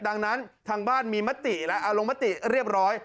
ดังนั้นทางบ้านมีมติแล้วเอาลงมติเรียบร้อย